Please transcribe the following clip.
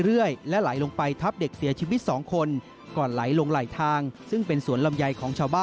ก็เลยทับเด็กนั่นแหละครับ